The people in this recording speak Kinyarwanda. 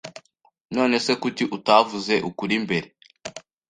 None se kuki utavuze ukuri mbere?